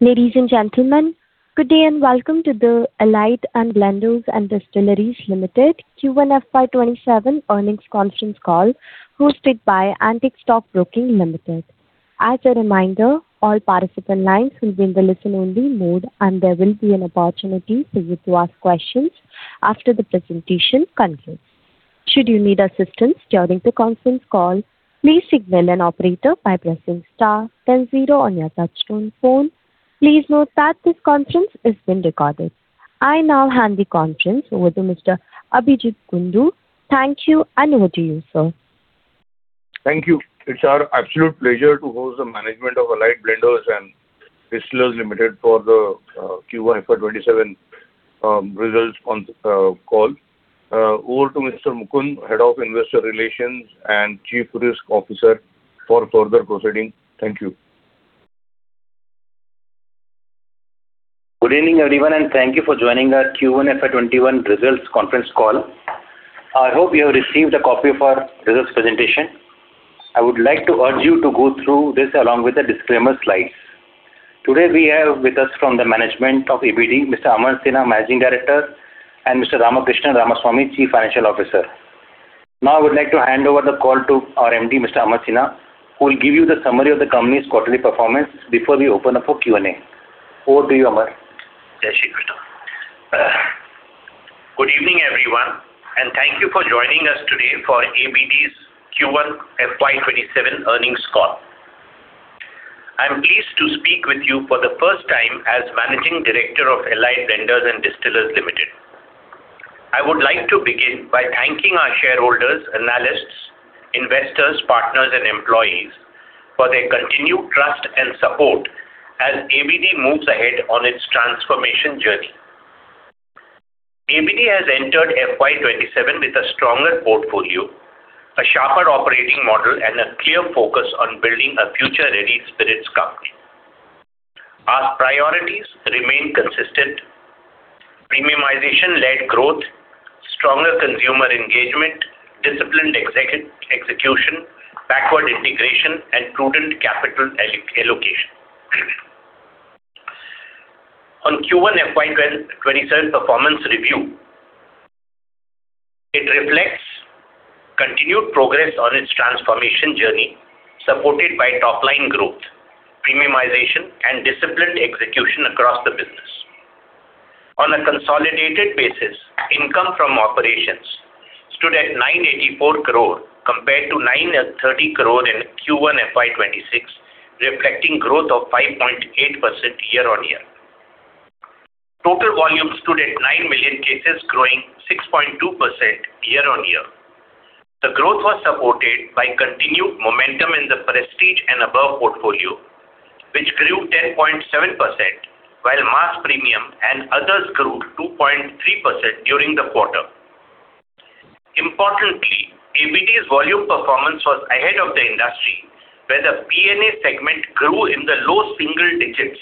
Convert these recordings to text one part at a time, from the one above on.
Ladies and gentlemen, good day and welcome to the Allied Blenders and Distillers Limited Q1 FY 2027 earnings conference call hosted by Antique Stock Broking Limited. As a reminder, all participant lines will be in the listen-only mode, and there will be an opportunity for you to ask questions after the presentation concludes. Should you need assistance during the conference call, please signal an operator by pressing star then zero on your touchtone phone. Please note that this conference is being recorded. I now hand the conference over to Mr. Abhijit Kundu. Thank you, and over to you, sir. Thank you. It's our absolute pleasure to host the management of Allied Blenders and Distillers Limited for the Q1 FY 2027 results conference call. Over to Mr. Mukund, Head of Investor Relations and Chief Risk Officer for further proceeding. Thank you. Good evening, everyone, thank you for joining our Q1 FY 2027 results conference call. I hope you have received a copy of our results presentation. I would like to urge you to go through this along with the disclaimer slides. Today we have with us from the management of ABD, Mr. Amar Sinha, Managing Director, and Mr. Ramakrishnan Ramaswamy, Chief Financial Officer. I would like to hand over the call to our MD, Mr. Amar Sinha, who will give you the summary of the company's quarterly performance before we open up for Q&A. Over to you, Amar. Good evening, everyone, thank you for joining us today for ABD's Q1 FY 2027 earnings call. I'm pleased to speak with you for the first time as Managing Director of Allied Blenders and Distillers Limited. I would like to begin by thanking our shareholders, analysts, investors, partners, and employees for their continued trust and support as ABD moves ahead on its transformation journey. ABD has entered FY 2027 with a stronger portfolio, a sharper operating model, and a clear focus on building a future-ready spirits company. Our priorities remain consistent: premiumization-led growth, stronger consumer engagement, disciplined execution, backward integration, and prudent capital allocation. On Q1 FY 2027 performance review, it reflects continued progress on its transformation journey, supported by top-line growth, premiumization, and disciplined execution across the business. On a consolidated basis, income from operations stood at 984 crore compared to 930 crore in Q1 FY 2026, reflecting growth of 5.8% year-on-year. Total volume stood at 9 million cases, growing 6.2% year-on-year. The growth was supported by continued momentum in the Prestige & Above portfolio, which grew 10.7%, while mass premium and others grew 2.3% during the quarter. Importantly, ABD's volume performance was ahead of the industry, where the P&A segment grew in the low single digits,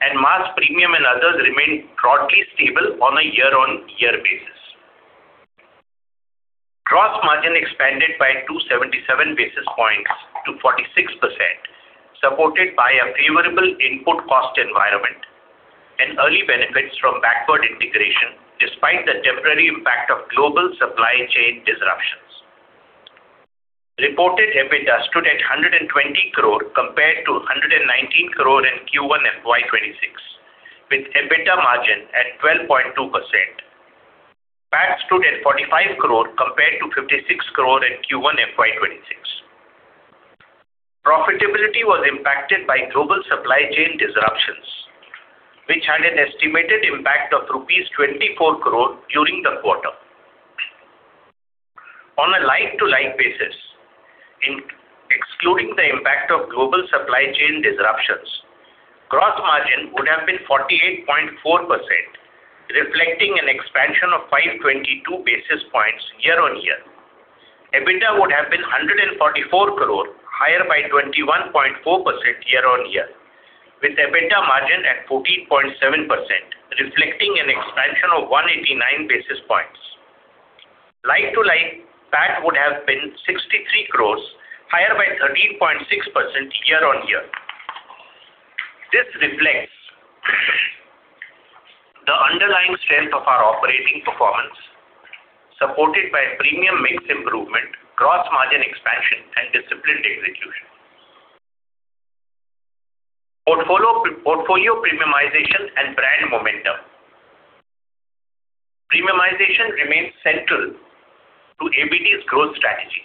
and mass premium and others remained broadly stable on a year-on-year basis. Gross margin expanded by 277 basis points to 46%, supported by a favorable input cost environment and early benefits from backward integration, despite the temporary impact of global supply chain disruptions. Reported EBITDA stood at 120 crore compared to 119 crore in Q1 FY 2026, with EBITDA margin at 12.2%. PAT stood at 45 crore compared to 56 crore in Q1 FY 2026. Profitability was impacted by global supply chain disruptions, which had an estimated impact of rupees 24 crore during the quarter. On a like-to-like basis, excluding the impact of global supply chain disruptions, gross margin would have been 48.4%, reflecting an expansion of 522 basis points year-on-year. EBITDA would have been 144 crore, higher by 21.4% year-on-year, with EBITDA margin at 14.7%, reflecting an expansion of 189 basis points. Like-to-like PAT would have been 63 crore, higher by 13.6% year-on-year. This reflects the underlying strength of our operating performance, supported by premium mix improvement, gross margin expansion, and disciplined execution. Portfolio premiumization and brand momentum. Premiumization remains central to ABD's growth strategy.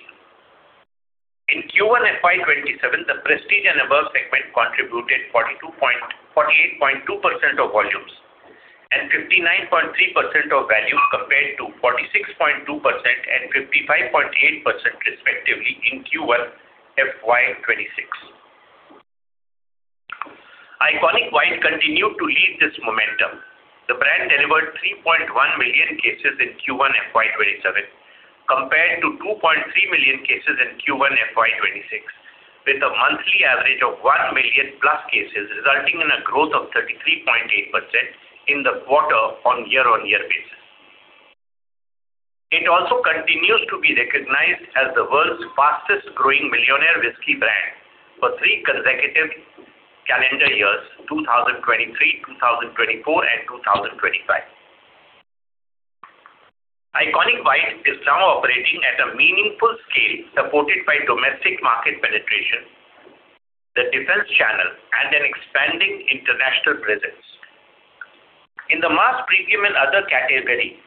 In Q1 FY 2027, the Prestige & Above segment contributed 48.2% of volumes and 59.3% of value compared to 46.2% and 55.8%, respectively, in Q1 FY 2026. ICONiQ White continued to lead this momentum. The brand delivered 3.1 million cases in Q1 FY 2027 compared to 2.3 million cases in Q1 FY 2026, with a monthly average of 1 million+ cases, resulting in a growth of 33.8% in the quarter on year-on-year basis. It also continues to be recognized as the world's fastest growing millionaire whisky brand for three consecutive calendar years, 2023, 2024, and 2025. ICONiQ White is now operating at a meaningful scale supported by domestic market penetration, the defense channel, and an expanding international presence. In the mass premium and other category,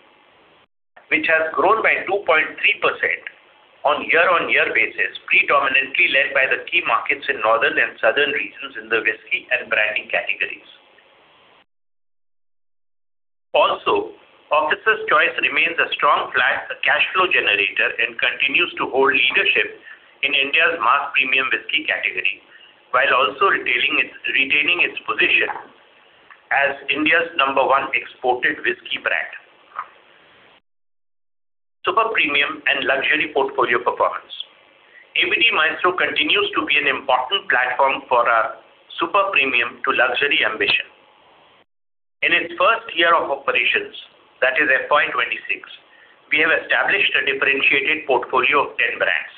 which has grown by 2.3% on year-on-year basis, predominantly led by the key markets in northern and southern regions in the whisky and brandy categories. Officer's Choice remains a strong flagship cash flow generator and continues to hold leadership in India's mass premium whisky category, while also retaining its position as India's number one exported whisky brand. Super premium and luxury portfolio performance. ABD Maestro continues to be an important platform for our super premium to luxury ambition. In its first year of operations, that is FY 2026, we have established a differentiated portfolio of 10 brands,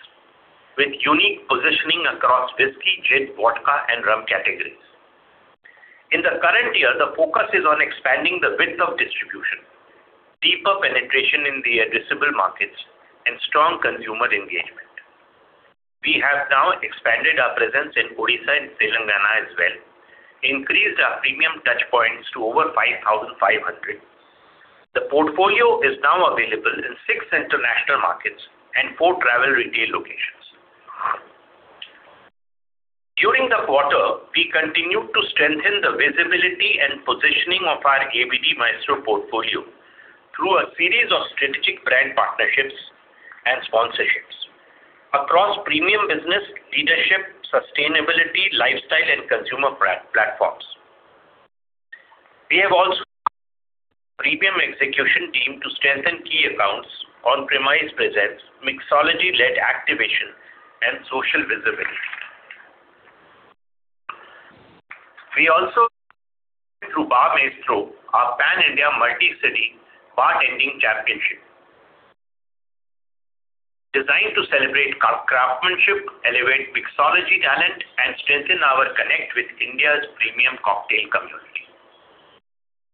with unique positioning across whisky, gin, vodka, and rum categories. In the current year, the focus is on expanding the width of distribution, deeper penetration in the addressable markets, and strong consumer engagement. We have now expanded our presence in Odisha and Telangana as well, increased our premium touchpoints to over 5,500. The portfolio is now available in six international markets and four travel retail locations. During the quarter, we continued to strengthen the visibility and positioning of our ABD Maestro portfolio through a series of strategic brand partnerships and sponsorships across premium business leadership, sustainability, lifestyle, and consumer platforms. We have also premium execution team to strengthen key accounts on premise presence, mixology-led activation, and social visibility. We also through Bar Maestro, our pan-India multi-city bartending championship. Designed to celebrate craftsmanship, elevate mixology talent, and strengthen our connect with India's premium cocktail community.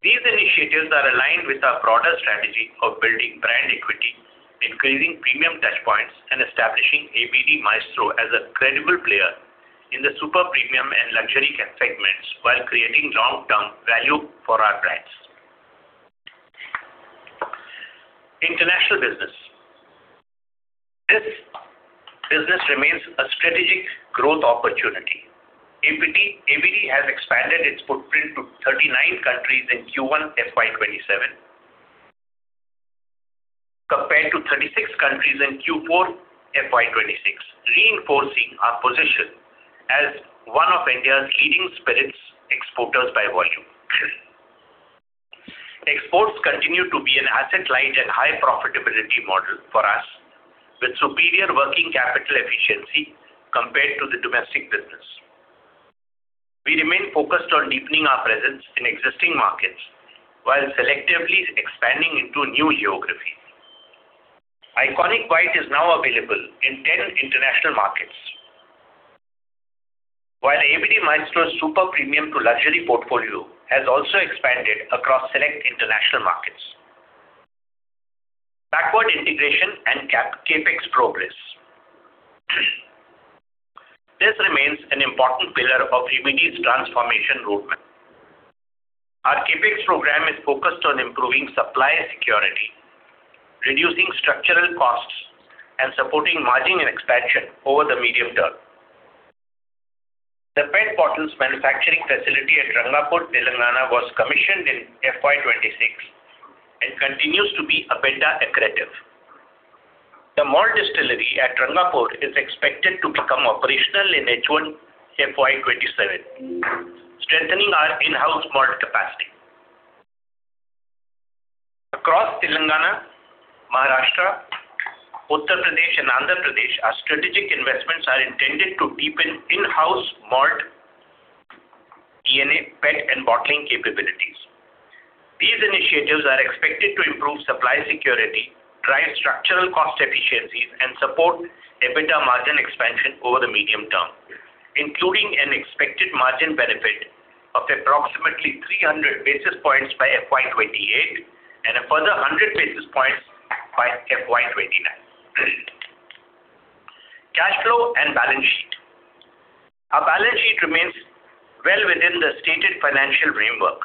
These initiatives are aligned with our broader strategy of building brand equity, increasing premium touch points, and establishing ABD Maestro as a credible player in the super premium and luxury segments while creating long-term value for our brands. International business. This business remains a strategic growth opportunity. ABD has expanded its footprint to 39 countries in Q1 FY 2027. Compared to 36 countries in Q4 FY 2026, reinforcing our position as one of India's leading spirits exporters by volume. Exports continue to be an asset-light and high profitability model for us, with superior working capital efficiency compared to the domestic business. We remain focused on deepening our presence in existing markets while selectively expanding into new geographies. ICONiQ White is now available in 10 international markets. While ABD Maestro's super premium to luxury portfolio has also expanded across select international markets. Backward integration and CapEx progress. This remains an important pillar of ABD's transformation roadmap. Our CapEx program is focused on improving supply security, reducing structural costs, and supporting margin and expansion over the medium term. The PET bottles manufacturing facility at Rangapur, Telangana was commissioned in FY 2026 and continues to be EBITDA accretive. The malt distillery at Rangapur is expected to become operational in H1 FY 2027, strengthening our in-house malt capacity. Across Telangana, Maharashtra, Uttar Pradesh, and Andhra Pradesh, our strategic investments are intended to deepen in-house malt, ENA, PET, and bottling capabilities. These initiatives are expected to improve supply security, drive structural cost efficiencies, and support EBITDA margin expansion over the medium term, including an expected margin benefit of approximately 300 basis points by FY 2028 and a further 100 basis points by FY 2029. Cash flow and balance sheet. Our balance sheet remains well within the stated financial framework.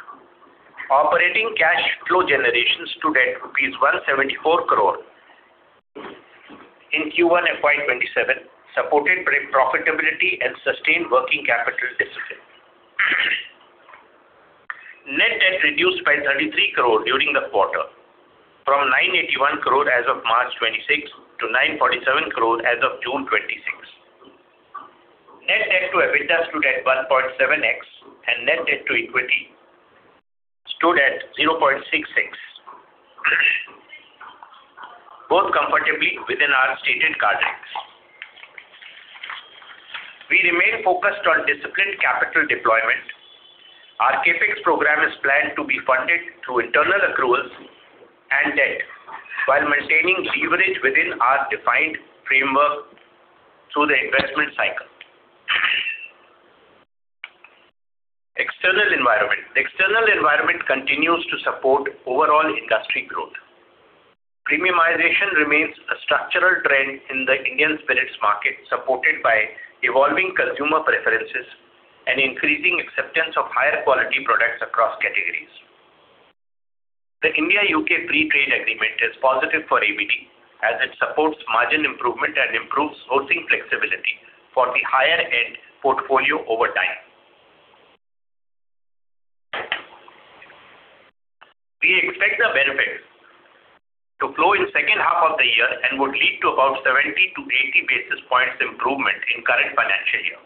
Operating cash flow generation stood at rupees 174 crore in Q1 FY 2027, supported profitability and sustained working capital discipline. Net debt reduced by 33 crore during the quarter, from 981 crore as of March 2026 to 947 crore as of June 2026. Net debt to EBITDA stood at 1.7x and net debt to equity stood at 0.6x. Both comfortably within our stated guardrails. We remain focused on disciplined capital deployment. Our CapEx program is planned to be funded through internal accruals and debt while maintaining leverage within our defined framework through the investment cycle. External environment. The external environment continues to support overall industry growth. Premiumization remains a structural trend in the Indian spirits market, supported by evolving consumer preferences and increasing acceptance of higher quality products across categories. The India-U.K. Free Trade Agreement is positive for ABD as it supports margin improvement and improves sourcing flexibility for the higher end portfolio over time. We expect the benefits to flow in the second half of the year and would lead to about 70-80 basis points improvement in current financial year.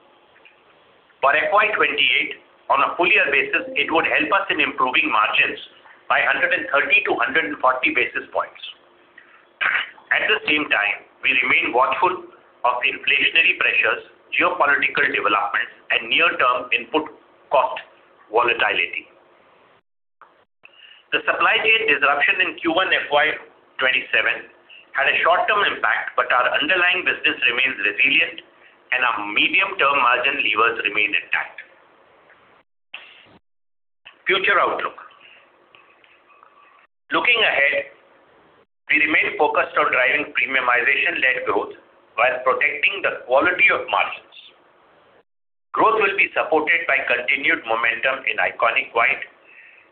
For FY 2028, on a full year basis, it would help us in improving margins by 130-140 basis points. At the same time, we remain watchful of inflationary pressures, geopolitical developments, and near-term input cost volatility. The supply chain disruption in Q1 FY 2027 had a short-term impact, but our underlying business remains resilient, and our medium-term margin levers remain intact. Future outlook. Looking ahead, we remain focused on driving premiumization-led growth while protecting the quality of margins. Growth will be supported by continued momentum in ICONiQ White,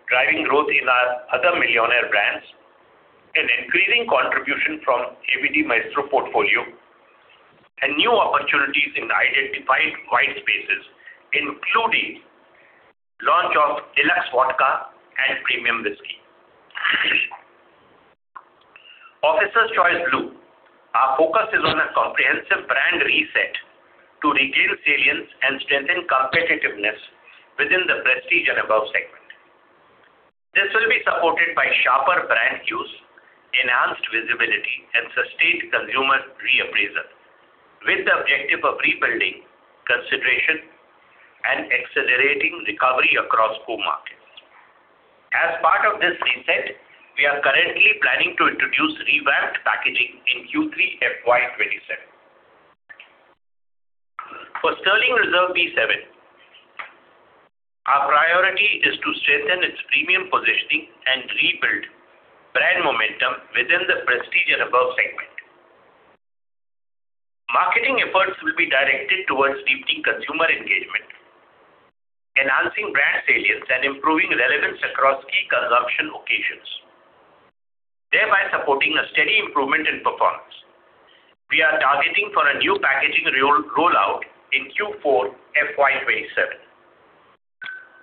driving growth in our other millionaire brands, an increasing contribution from ABD Maestro portfolio, and new opportunities in the identified white spaces, including launch of deluxe vodka and premium whisky. Officer's Choice Blue. Our focus is on a comprehensive brand reset to regain salience and strengthen competitiveness within the prestige and above segment. This will be supported by sharper brand use, enhanced visibility, and sustained consumer reappraisal, with the objective of rebuilding consideration and accelerating recovery across core markets. As part of this reset, we are currently planning to introduce revamped packaging in Q3 FY 2027. For Sterling Reserve B7, our priority is to strengthen its premium positioning and rebuild brand momentum within the prestige and above segment. Marketing efforts will be directed towards deepening consumer engagement, enhancing brand salience, and improving relevance across key consumption occasions, thereby supporting a steady improvement in performance. We are targeting for a new packaging rollout in Q4 FY 2027.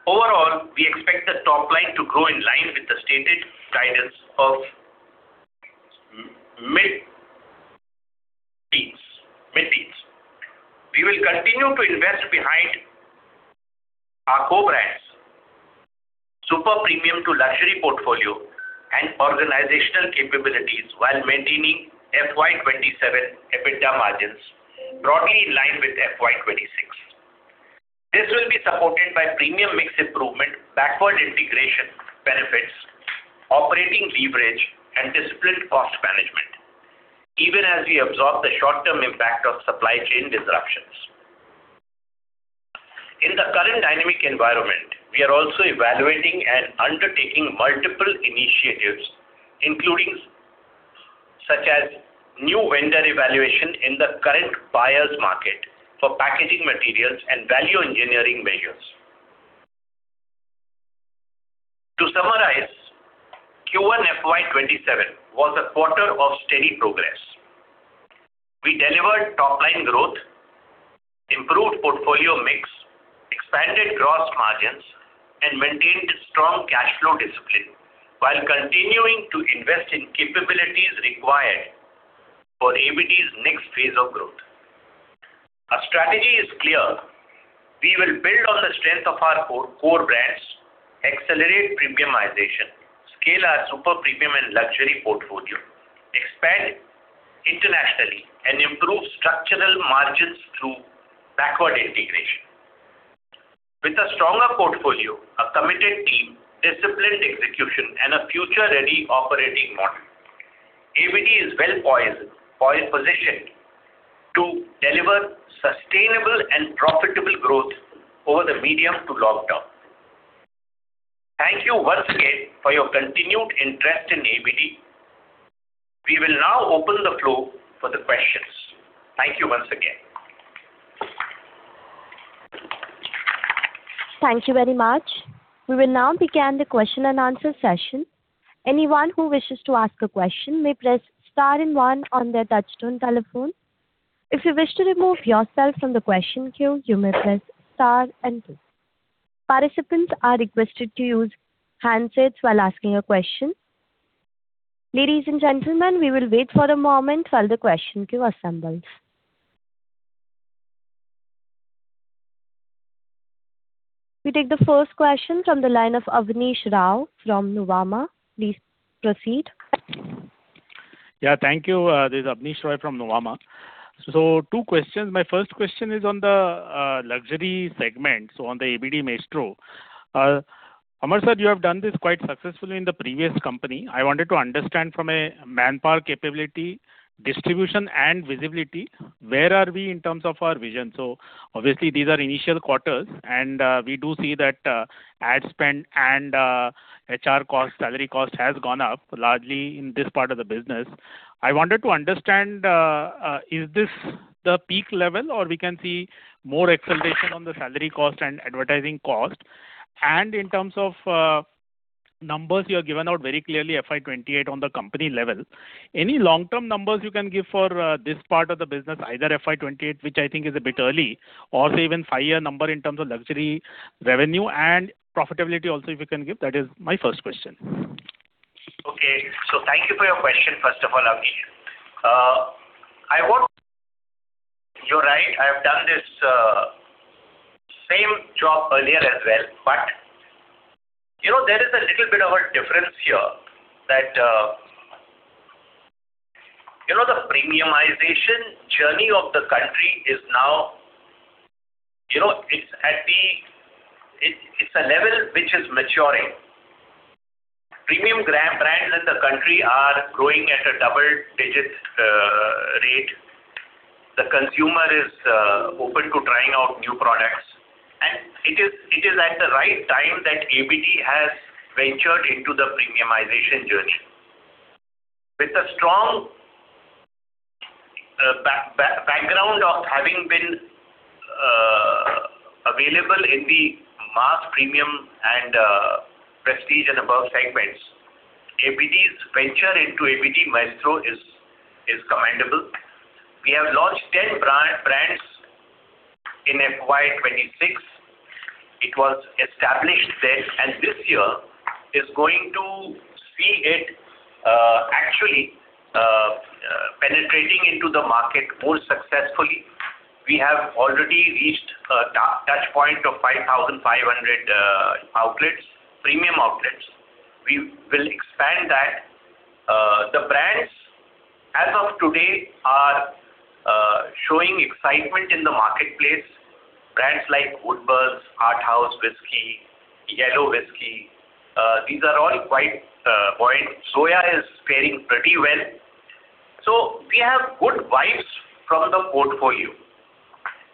Overall, we expect the top line to grow in line with the stated guidance of mid-teens. We will continue to invest behind our core brands, super premium to luxury portfolio, and organizational capabilities while maintaining FY 2027 EBITDA margins broadly in line with FY 2026. This will be supported by premium mix improvement, backward integration benefits, operating leverage, and disciplined cost management, even as we absorb the short-term impact of supply chain disruptions. In the current dynamic environment, we are also evaluating and undertaking multiple initiatives, such as new vendor evaluation in the current buyer's market for packaging materials and value engineering measures. To summarize, Q1 FY 2027 was a quarter of steady progress. We delivered top-line growth, improved portfolio mix, expanded gross margins, and maintained strong cash flow discipline while continuing to invest in capabilities required for ABD's next phase of growth. Our strategy is clear. We will build on the strength of our core brands, accelerate premiumization, scale our super premium and luxury portfolio, expand internationally, and improve structural margins through backward integration. With a stronger portfolio, a committed team, disciplined execution, and a future-ready operating model, ABD is well positioned to deliver sustainable and profitable growth over the medium to long term. Thank you once again for your continued interest in ABD. We will now open the floor for the questions. Thank you once again. Thank you very much. We will now begin the question-and-answer session. Anyone who wishes to ask a question may press star and one on their touchtone telephone. If you wish to remove yourself from the question queue, you may press star and two. Participants are requested to use handsets while asking a question. Ladies and gentlemen, we will wait for a moment while the question queue assembles. We take the first question from the line of Abneesh Roy from Nuvama. Please proceed. Thank you. This is Abneesh Roy from Nuvama. Two questions. My first question is on the luxury segment, so on the ABD Maestro. Amar sir, you have done this quite successfully in the previous company. I wanted to understand from a manpower capability, distribution, and visibility, where are we in terms of our vision? Obviously these are initial quarters and we do see that ad spend and HR cost, salary cost has gone up largely in this part of the business. I wanted to understand, is this the peak level, or we can see more acceleration on the salary cost and advertising cost? In terms of numbers you have given out very clearly FY 2028 on the company level. Any long-term numbers you can give for this part of the business, either FY 2028, which I think is a bit early, or say even five-year number in terms of luxury revenue and profitability also, if you can give, that is my first question. Okay. Thank you for your question, first of all, Abneesh. You're right, I have done this same job earlier as well, but there is a little bit of a difference here that the premiumization journey of the country is now at the level which is maturing. Premium brands in the country are growing at a double-digit rate. The consumer is open to trying out new products, and it is at the right time that ABD has ventured into the premiumization journey. With a strong background of having been available in the mass premium and prestige and above segments, ABD's venture into ABD Maestro is commendable. We have launched 10 brands in FY 2026. It was established then, and this year is going to see it actually penetrating into the market more successfully. We have already reached a touchpoint of 5,500 premium outlets. We will expand that. The brands as of today are showing excitement in the marketplace. Brands like Woodburns, Arthaus Whisky, Yello Whisky. Zoya is faring pretty well. We have good vibes from the portfolio.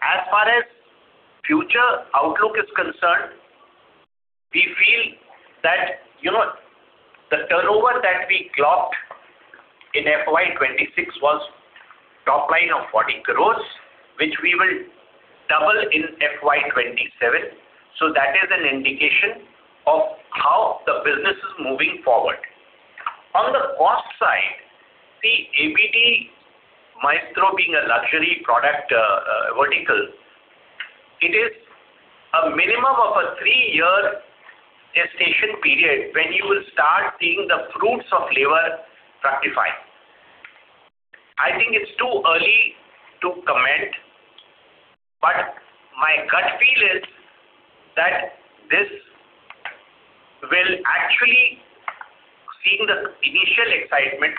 As far as future outlook is concerned, we feel that the turnover that we clocked in FY 2026 was top line of 40 crore, which we will double in FY 2027. That is an indication of how the business is moving forward. On the cost side, see, ABD Maestro being a luxury product vertical, it is a minimum of a three-year gestation period when you will start seeing the fruits of labor fructify. I think it's too early to comment, but my gut feel is that this will actually, seeing the initial excitement,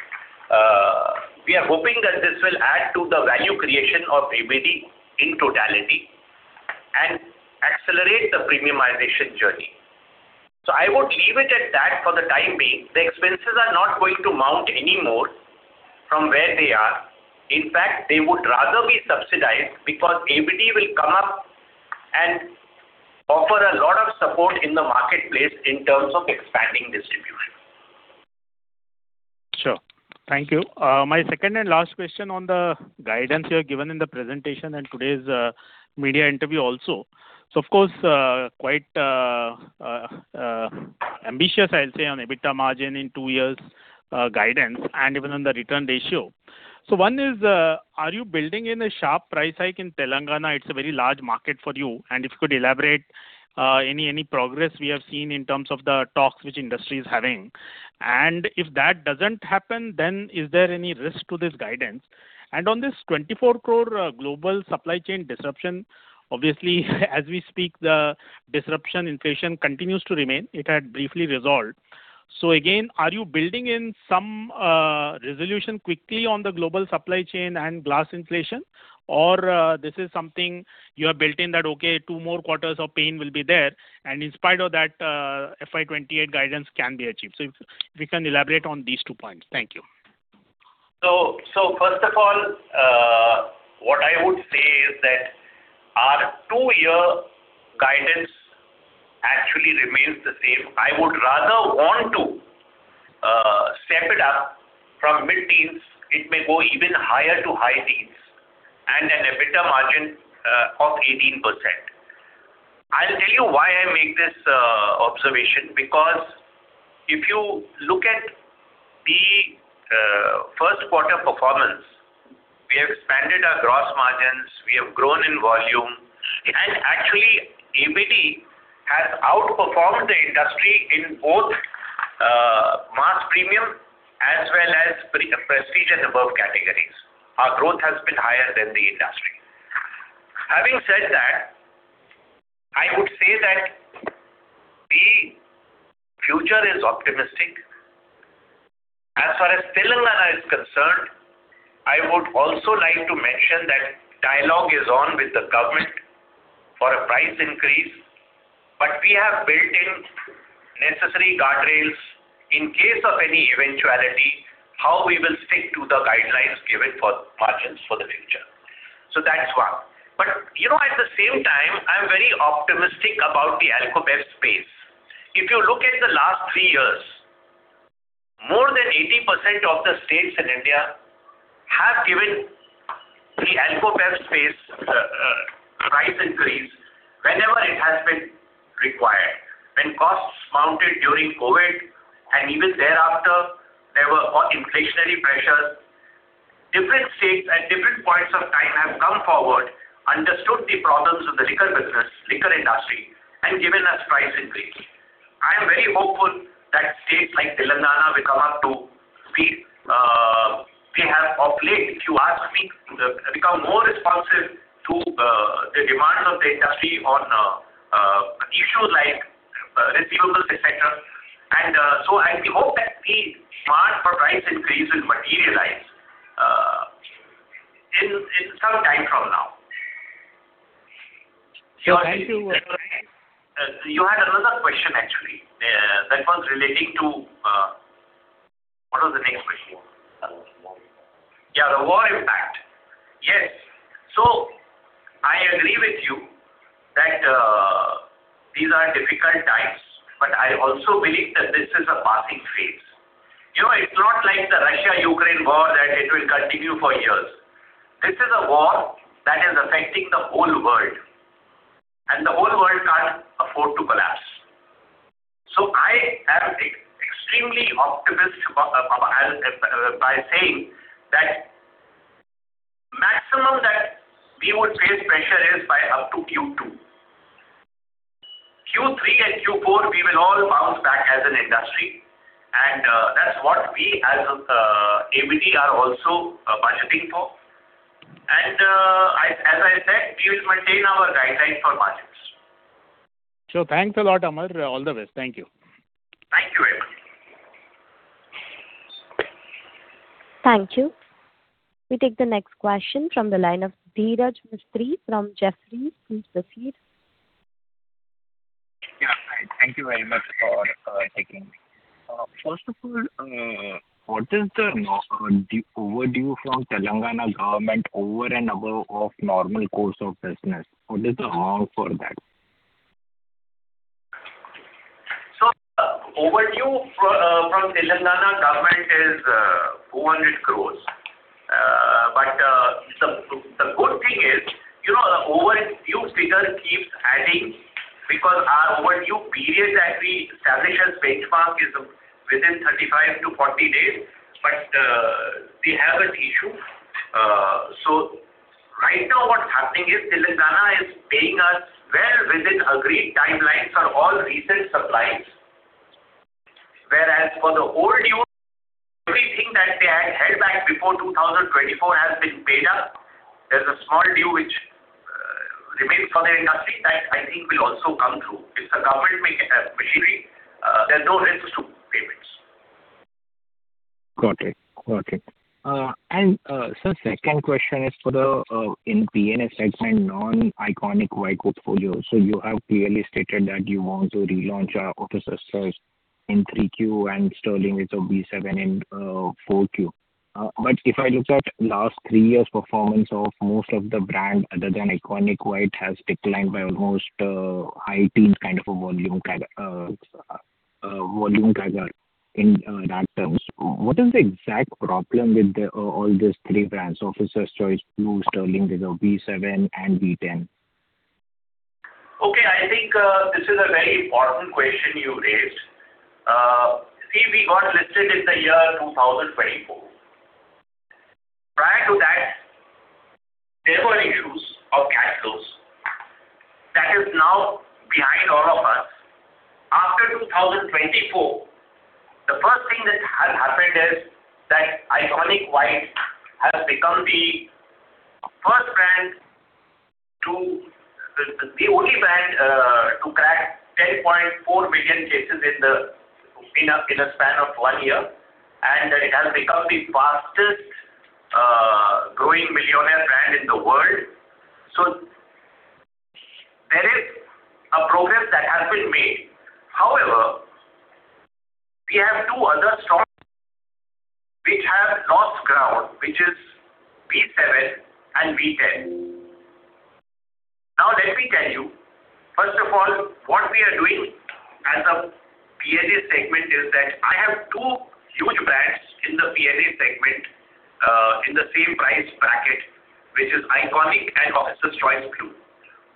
we are hoping that this will add to the value creation of ABD in totality and accelerate the premiumization journey. I would leave it at that for the time being. The expenses are not going to mount any more from where they are. In fact, they would rather be subsidized because ABD will come up and offer a lot of support in the marketplace in terms of expanding distribution. Sure. Thank you. My second and last question on the guidance you have given in the presentation and today's media interview also. Of course, quite ambitious, I'll say, on EBITDA margin in two years' guidance and even on the return ratio. One is, are you building in a sharp price hike in Telangana? It's a very large market for you. If you could elaborate any progress we have seen in terms of the talks which industry is having. If that doesn't happen, then is there any risk to this guidance? On this 24 crore global supply chain disruption, obviously, as we speak, the disruption inflation continues to remain. It had briefly resolved. Again, are you building in some resolution quickly on the global supply chain and glass inflation? This is something you have built in that, okay, two more quarters of pain will be there, and in spite of that, FY 2028 guidance can be achieved. If you can elaborate on these two points. Thank you. First of all, what I would say is that our two-year guidance actually remains the same. I would rather want to step it up from mid-teens. It may go even higher to high teens and an EBITDA margin of 18%. I'll tell you why I make this observation, because if you look at the first quarter performance, we have expanded our gross margins, we have grown in volume, actually ABD has outperformed the industry in both premium as well as Prestige and Above categories. Our growth has been higher than the industry. Having said that, I would say that the future is optimistic. As far as Telangana is concerned, I would also like to mention that dialogue is on with the government for a price increase, but we have built-in necessary guardrails in case of any eventuality, how we will stick to the guidelines given for budgets for the future. That's one. At the same time, I'm very optimistic about the alcobev space. If you look at the last three years, more than 80% of the states in India have given the alcobev space price increase whenever it has been required. When costs mounted during COVID, and even thereafter, there were inflationary pressures. Different states at different points of time have come forward, understood the problems of the liquor business, liquor industry, and given us price increase. I am very hopeful that states like Telangana, which are up to speed, have of late, if you ask me, become more responsive to the demands of the industry on issues like receivables, et cetera. I hope that the part for price increase will materialize in some time from now. Thank you. You had another question, actually. That was relating to What was the next question? The war impact. I agree with you that these are difficult times, I also believe that this is a passing phase. It's not like the Russia-Ukraine war that it will continue for years. This is a war that is affecting the whole world, and the whole world can't afford to collapse. I am extremely optimistic by saying that maximum that we would face pressure is by up to Q2. Q3 and Q4, we will all bounce back as an industry, and that's what we as ABD are also budgeting for. As I said, we will maintain our guidelines for budgets. Thanks a lot, Amar. All the best. Thank you. Thank you very much. Thank you. We take the next question from the line of Dhiraj Mistry from Jefferies. Please proceed. Thank you very much for taking me. First of all, what is the overdue from Telangana government over and above of normal course of business? What is the amount for that? Overdue from Telangana government is 400 crore. The good thing is, overdue figure keeps adding because our overdue period that we establish as benchmark is within 35-40 days, we have that issue. Right now what's happening is Telangana is paying us well within agreed timelines for all recent supplies. Whereas for the old due, everything that they had held back before 2024 has been paid up. There's a small due which remains for the industry that I think will also come through. It's a government machinery. There are no risks to payments. Got it. Sir, second question is for the, in P&A segment, non-ICONiQ White portfolio. You have clearly stated that you want to relaunch Officer's Choice Blue in 3Q and Sterling Reserve B7 in 4Q. If I look at last three years' performance of most of the brand other than ICONiQ White has declined by almost high teens kind of a volume tracker in that terms. What is the exact problem with all these three brands, Officer's Choice Blue, Sterling Reserve B7, and B10? I think this is a very important question you raised. We got listed in the year 2024. Prior to that, there were issues of cash flows. That is now behind all of us. After 2024, the first thing that has happened is that ICONiQ White has become the only brand to crack 10.4 million cases in a span of one year, and it has become the fastest-growing millionaire brand in the world. There is a progress that has been made. However, we have two other strong brands which have lost ground, which is B7 and B10. Let me tell you, first of all, what we are doing as a P&A segment is that I have two huge brands in the P&A segment, in the same price bracket, which is ICONiQ and Officer's Choice Blue.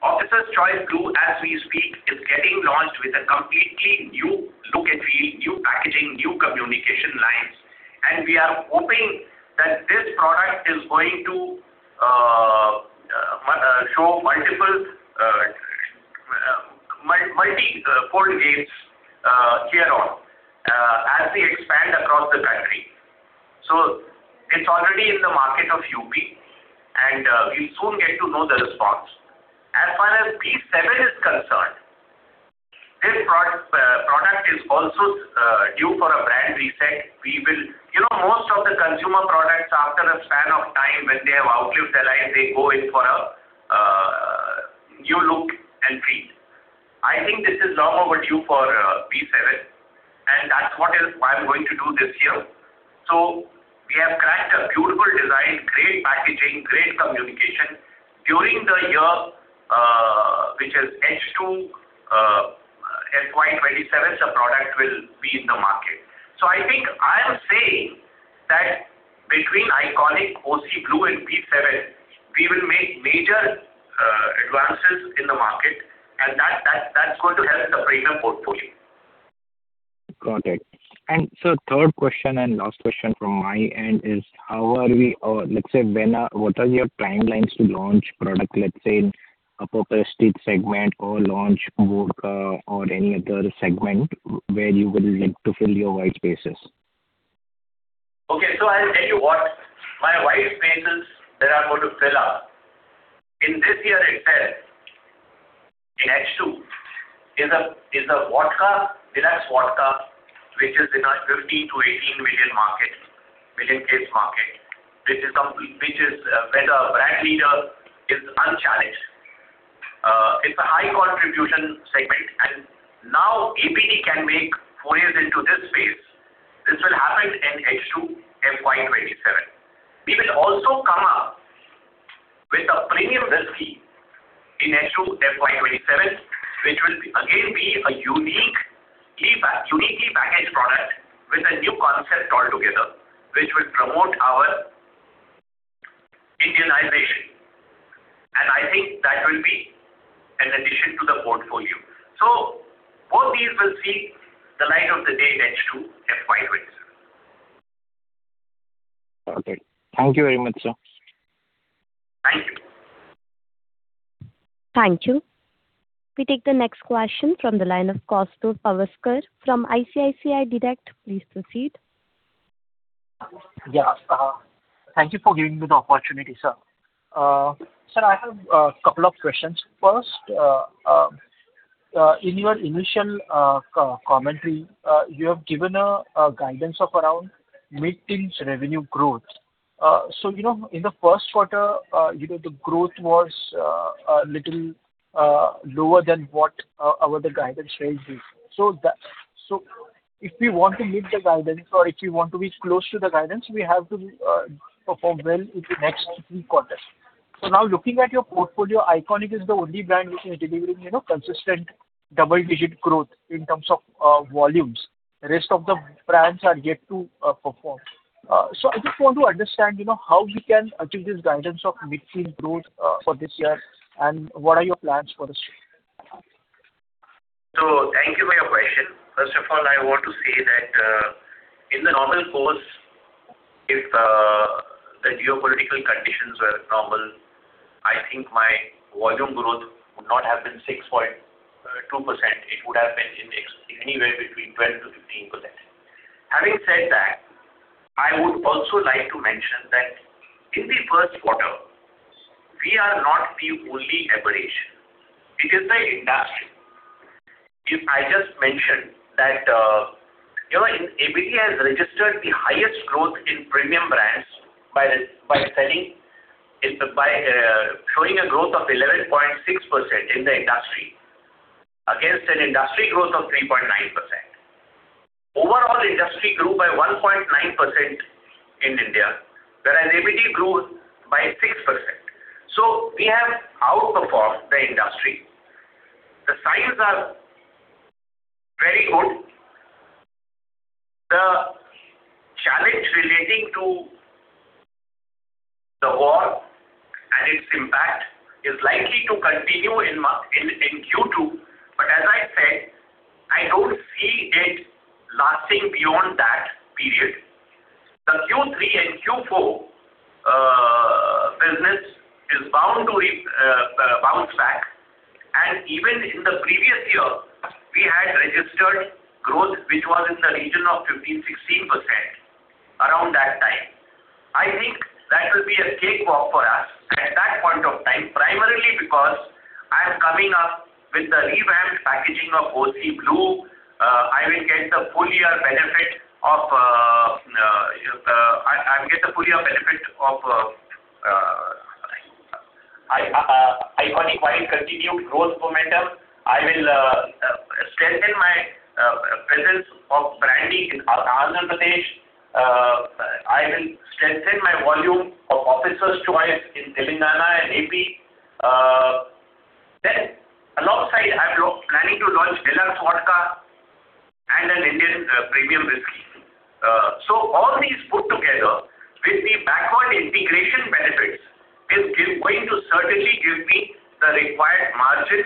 Officer's Choice Blue, as we speak, is getting launched with a completely new look and feel, new packaging, new communication lines, and we are hoping that this product is going to multi-cold gates here on as we expand across the country. It's already in the market of UP, and we'll soon get to know the response. As far as B7 is concerned, this product is also due for a brand reset. Most of the consumer products, after a span of time, when they have outlived their life, they go in for a new look and feel. I think this is long overdue for B7, and that's what I'm going to do this year. We have cracked a beautiful design, great packaging, great communication. During the year, which is H2 FY 2027, the product will be in the market. I think I am saying that between ICONiQ, OC Blue, and B7, we will make major advances in the market, and that's going to help the premium portfolio. Got it. Sir, third question and last question from my end is, what are your timelines to launch product, let's say, in a particular state segment or launch vodka or any other segment where you would like to fill your white spaces? Okay. I'll tell you what my white spaces that I'm going to fill up. In this year itself, in H2, is a deluxe vodka, which is in a 15-18 million case market, where the brand leader is unchallenged. It's a high contribution segment, and now ABD can make forays into this space. This will happen in H2 FY 2027. We will also come up with a premium whiskey in H2 FY 2027, which will again be a uniquely packaged product with a new concept altogether, which will promote our Indianization. I think that will be an addition to the portfolio. Both these will see the light of the day in H2 FY 2027. Okay. Thank you very much, sir. Thank you. Thank you. We take the next question from the line of Kaustubh Pawaskar from ICICI Direct. Please proceed. Yeah. Thank you for giving me the opportunity, sir. Sir, I have a couple of questions. First, in your initial commentary, you have given a guidance of around mid-teens revenue growth. In the first quarter, the growth was a little lower than what our other guidance range is. If we want to meet the guidance, or if we want to be close to the guidance, we have to perform well in the next three quarters. Now looking at your portfolio, ICONiQ is the only brand which is delivering consistent double-digit growth in terms of volumes. The rest of the brands are yet to perform. I just want to understand how we can achieve this guidance of mid-teen growth for this year, and what are your plans for the same? Thank you for your question. First of all, I want to say that in the normal course, if the geopolitical conditions were normal, I think my volume growth would not have been 6.2%, it would have been anywhere between 12%-15%. Having said that, I would also like to mention that in the first quarter, we are not the only aberration. It is the industry. I just mentioned that ABD has registered the highest growth in premium brands by showing a growth of 11.6% in the industry against an industry growth of 3.9%. Overall, the industry grew by 1.9% in India, whereas ABD grew by 6%. We have outperformed the industry. The signs are very good. The challenge relating to the war and its impact is likely to continue in Q2, but as I said, I don't see it lasting beyond that period. The Q3 and Q4 business is bound to bounce back, and even in the previous year, we had registered growth, which was in the region of 15%-16% around that time. I think that will be a cakewalk for us at that point of time, primarily because I am coming up with the revamped packaging of OC Blue. I will get the full year benefit of ICONiQ White continued growth momentum. I will strengthen my presence of branding in Andhra Pradesh. I will strengthen my volume of Officer's Choice in Telangana and AP. Alongside, I'm planning to launch deluxe vodka and an Indian premium whisky. All these put together with the backward integration benefits is going to certainly give me the required margin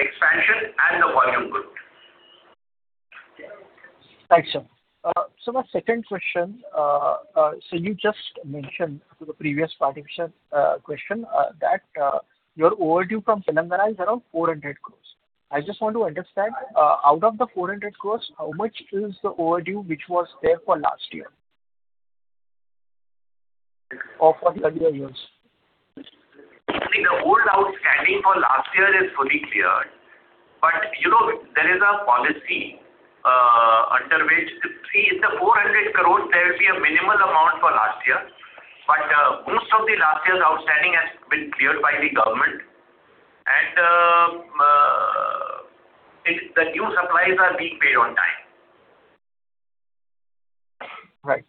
expansion and the volume growth. Right, sir. Sir, my second question. You just mentioned to the previous participant question that your overdue from Telangana is around 400 crore. I just want to understand, out of the 400 crore, how much is the overdue which was there for last year or for earlier years? See, the old outstanding for last year is fully cleared. There is a policy under which, see, in the 400 crore, there will be a minimal amount for last year. Most of the last year's outstanding has been cleared by the government, and the new supplies are being paid on time. Right.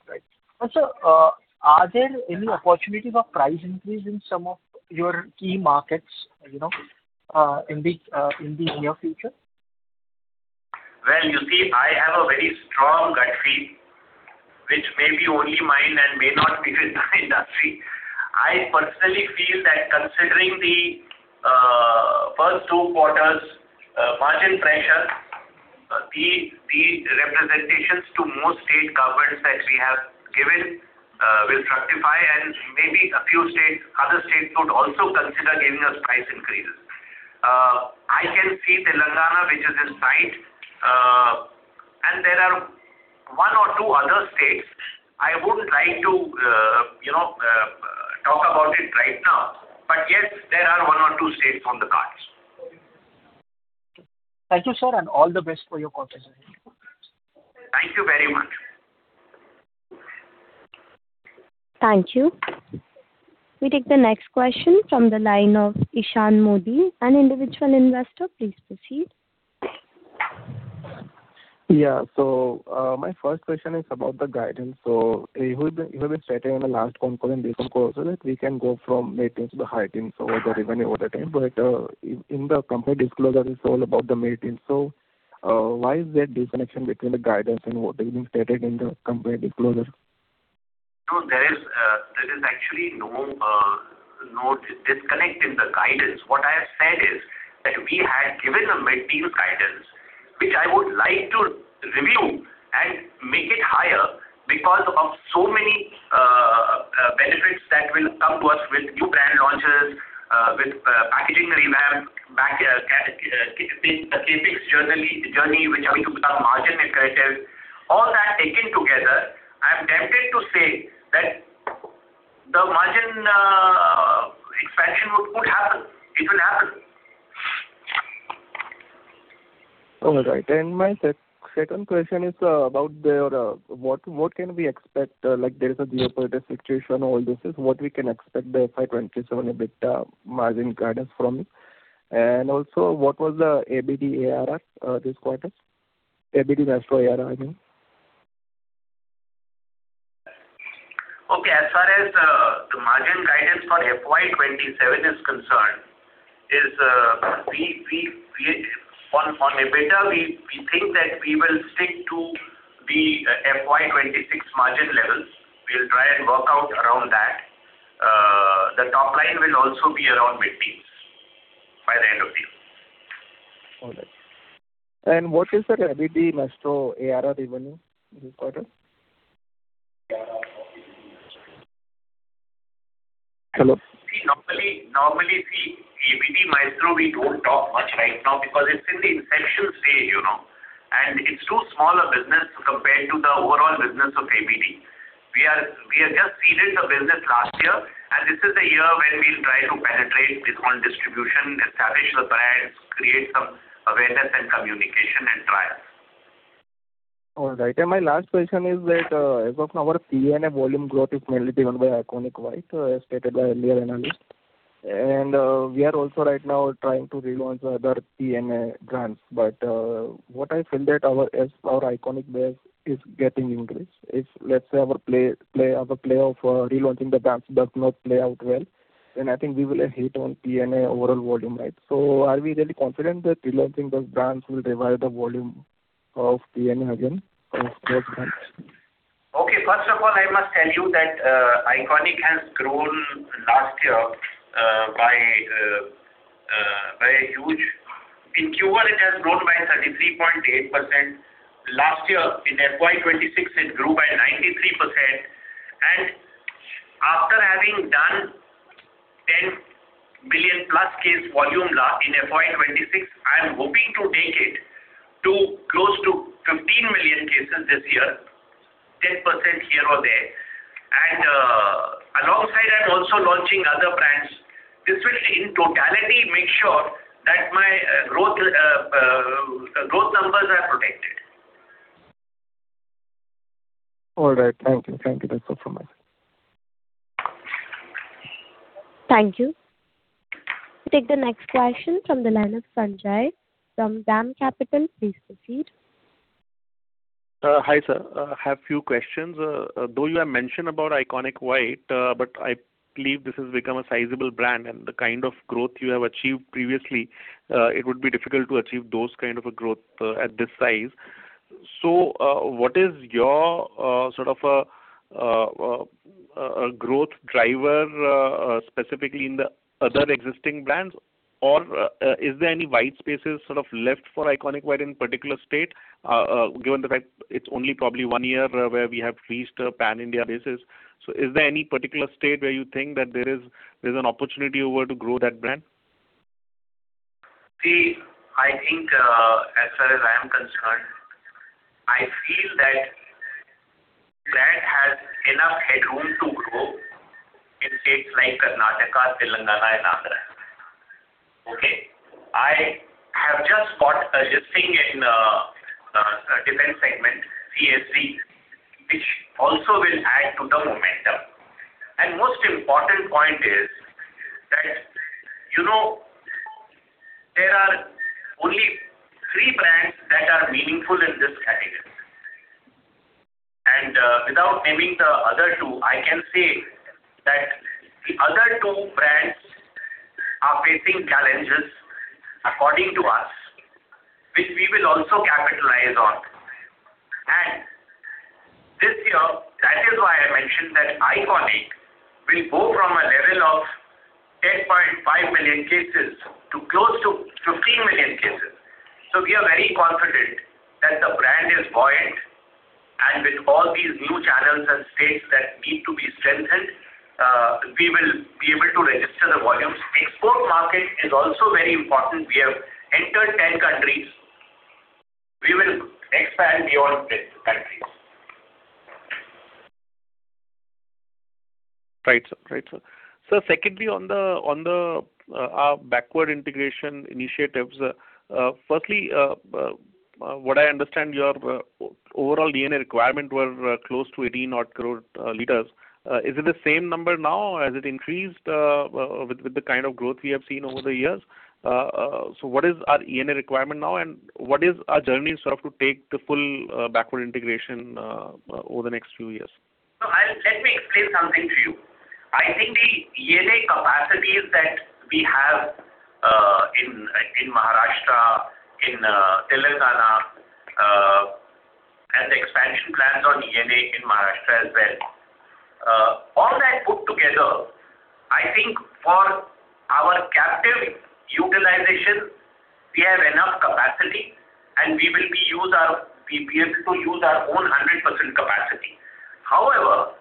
Sir, are there any opportunities of price increase in some of your key markets in the near future? Well, you see, I have a very strong gut feel, which may be only mine and may not be with the industry. I personally feel that considering the first two quarters' margin pressure, the representations to most state governments that we have given will justify and maybe a few states, other states could also consider giving us price increases. I can see Telangana, which is in sight, and there are one or two other states. I wouldn't like to talk about it right now. Yes, there are one or two states on the cards. Thank you, sir. All the best for your quarter results. Thank you very much. Thank you. We take the next question from the line of Ishan Modi, an individual investor. Please proceed. My first question is about the guidance. You have been stating in the last conference call and this conference call also that we can go from mid-teens to high teens over the revenue over the time. In the company disclosure, it is all about the mid-teens. Why is there disconnection between the guidance and what has been stated in the company disclosure? There is actually no disconnect in the guidance. What I have said is that we had given a mid-teens guidance, which I would like to review and make it higher because of so many benefits that will come to us with new brand launches, with packaging revamp, the CapEx journey which having to become margin accretive. All that taken together, I am tempted to say that the margin expansion could happen. It will happen. My second question is about what can we expect, like there is a geopolitical situation, all this. What we can expect the FY 2027 EBITDA margin guidance from it? Also what was the ABD ARR this quarter? ABD Maestro ARR, I mean. Okay, as far as the margin guidance for FY 2027 is concerned, on EBITDA, we think that we will stick to the FY 2026 margin levels. We'll try and work out around that. The top line will also be around mid-teens by the end of the year. What is the ABD Maestro ARR revenue this quarter? ARR of ABD Maestro. Hello. Normally, ABD Maestro, we don't talk much right now because it's in the inception stage. It's too small a business compared to the overall business of ABD. We have just seeded the business last year, and this is the year when we'll try to penetrate it on distribution, establish the brands, create some awareness and communication, and trials. All right. My last question is that as of now our P&A volume growth is mainly driven by ICONiQ White, as stated by earlier analysts. We are also right now trying to relaunch other P&A brands. What I feel that as our ICONiQ base is getting increased, if let's say our play of relaunching the brands does not play out well, I think we will hit on P&A overall volume. Are we really confident that relaunching those brands will revive the volume of P&A again of those brands? Okay. First of all, I must tell you that ICONiQ has grown last year by a huge. In Q1, it has grown by 33.8%. Last year, in FY 2026, it grew by 93%. After having done 10 million+ case volume in FY 2026, I am hoping to take it to close to 15 million cases this year, 10% here or there. Alongside, I'm also launching other brands. This will, in totality, make sure that my growth numbers are protected. All right. Thank you. Thank you. That's all from my side. Thank you. We take the next question from the line of Sanjay from DAM Capital. Please proceed. Hi, sir. I have few questions. Though you have mentioned about ICONiQ White, but I believe this has become a sizable brand and the kind of growth you have achieved previously, it would be difficult to achieve those kind of a growth at this size. What is your sort of a growth driver specifically in the other existing brands? Or is there any white spaces sort of left for ICONiQ White in particular state, given the fact it's only probably one year where we have reached a pan-India basis. Is there any particular state where you think that there's an opportunity over to grow that brand? See, I think, as far as I am concerned, I feel that brand has enough headroom to grow in states like Karnataka, Telangana, and Andhra. Okay. I have just got a listing in the defense segment, CSD, which also will add to the momentum. Most important point is that, there are only three brands that are meaningful in this category. Without naming the other two, I can say that the other two brands are facing challenges according to us, which we will also capitalize on. This year, that is why I mentioned that ICONiQ will go from a level of 10.5 million cases to close to 15 million cases. We are very confident that the brand is buoyant, and with all these new channels and states that need to be strengthened, we will be able to register the volumes. Export market is also very important. We have entered 10 countries. We will expand beyond these countries. Right, sir. Secondly, on the backward integration initiatives. Firstly, what I understand, your overall ENA requirement were close to 80-odd crore liters. Is it the same number now? Has it increased with the kind of growth we have seen over the years? What is our ENA requirement now, and what is our journey sort of to take the full backward integration over the next few years? Let me explain something to you. I think the ENA capacities that we have in Maharashtra, in Telangana, and the expansion plans on ENA in Maharashtra as well, all that put together, I think for our captive utilization, we have enough capacity, and we will be able to use our own 100% capacity. However,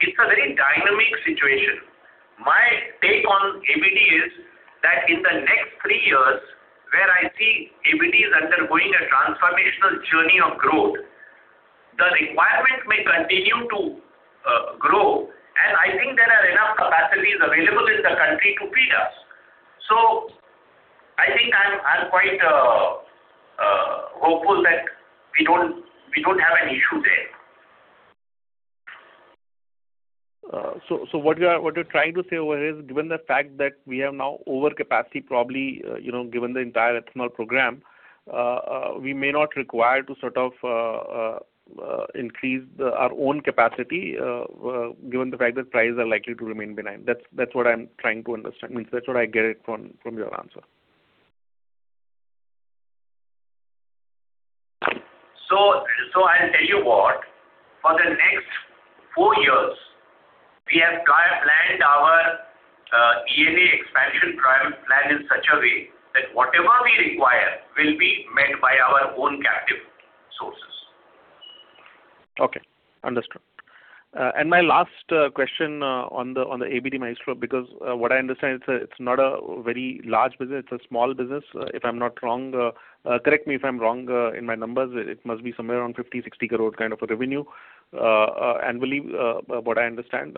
it's a very dynamic situation. My take on ABD is that in the next three years, where I see ABD is undergoing a transformational journey of growth, the requirement may continue to grow, and I think there are enough capacities available in the country to feed us. I think I'm quite hopeful that we don't have an issue there. What you're trying to say over here is, given the fact that we have now overcapacity, probably, given the entire ethanol program, we may not require to sort of increase our own capacity, given the fact that prices are likely to remain benign. That's what I'm trying to understand. I mean, that's what I get from your answer. I'll tell you what. For the next four years, we have planned our ENA expansion plan in such a way that whatever we require will be met by our own captive sources. Okay. Understood. My last question on the ABD Maestro, because what I understand, it's not a very large business, it's a small business. If I'm not wrong, correct me if I'm wrong in my numbers, it must be somewhere around 50-60 crore kind of a revenue, I believe, what I understand.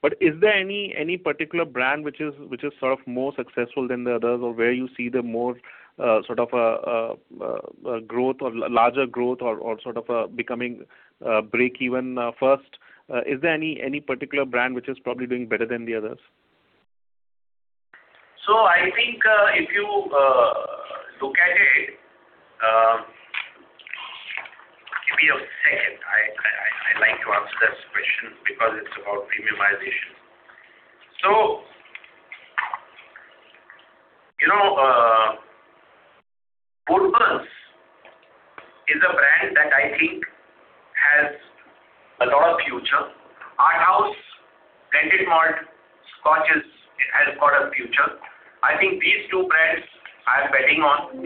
But is there any particular brand which is sort of more successful than the others, or where you see the more sort of growth or larger growth or sort of becoming breakeven first? Is there any particular brand which is probably doing better than the others? I think, if you look at it. Give me a second. I like to answer this question because it's about premiumization. Woodburns is a brand that I think has a lot of future. Arthaus, blended malt scotches, it has got a future. I think these two brands I'm betting on.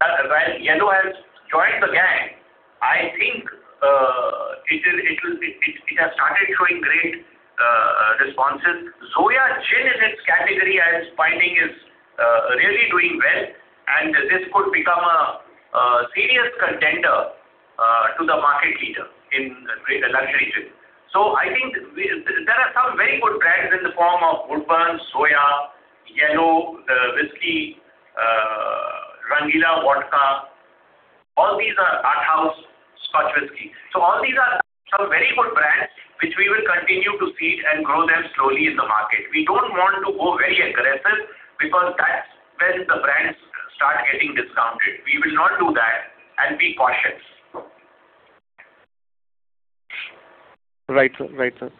While Yello has joined the gang, I think it has started showing great responses. Zoya Gin in its category, I am finding is really doing well, and this could become a serious contender to the market leader in the luxury gin. I think there are some very good brands in the form of Woodburns, Zoya, Yello, the whiskey, RANGEELA vodka. Arthaus, scotch whiskey. All these are some very good brands which we will continue to seed and grow them slowly in the market. We don't want to go very aggressive because that's when the brands start getting discounted. We will not do that and be cautious. Right, sir.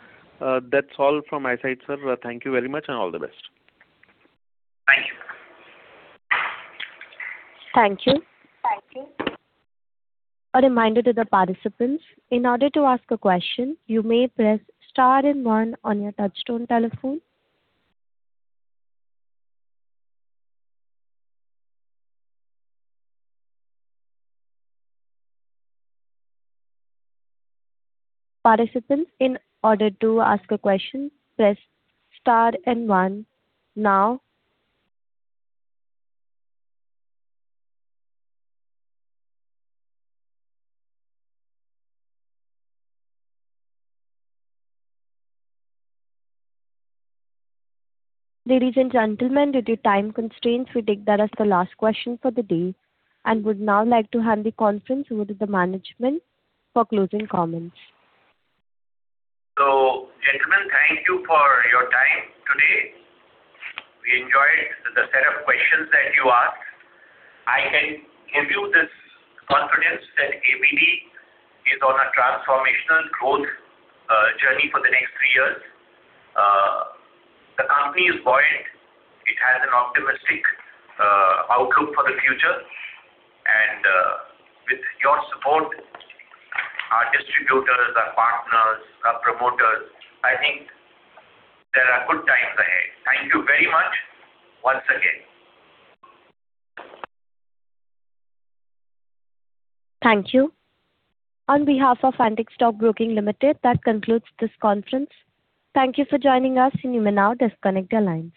That's all from my side, sir. Thank you very much, and all the best. Thank you. Thank you. Thank you. A reminder to the participants, in order to ask a question, you may press star and one on your touchtone telephone. Participant, in order to ask a question, press star and one now. Ladies and gentlemen, due to time constraints, we take that as the last question for the day and would now like to hand the conference over to the management for closing comments. Gentlemen, thank you for your time today. We enjoyed the set of questions that you asked. I can give you this confidence that ABD is on a transformational growth journey for the next three years. The company is buoyant. It has an optimistic outcome for the future. With your support, our distributors, our partners, our promoters, I think there are good times ahead. Thank you very much once again. Thank you. On behalf of Antique Stock Broking Limited, that concludes this conference. Thank you for joining us and you may now disconnect your lines.